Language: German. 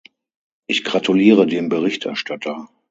Ich gratuliere dem Berichterstatter.